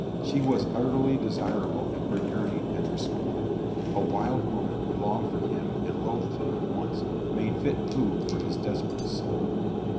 She was utterly desirable in her yearning and her scorn, a wild woman who longed for him and loathed him at once, made fit food for his desperate soul.